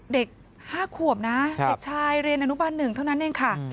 เด็ก๕ขวบนะเด็กชายเรียนอนุบัน๑เท่านั้นเองค่ะ